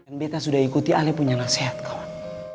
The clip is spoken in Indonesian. dan beta sudah ikuti ahli punya nasihat kawan